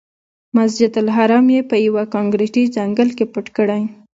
مسجدالحرام یې په یوه کانکریټي ځنګل کې پټ کړی.